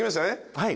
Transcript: はい。